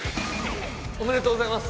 おめでとうございます！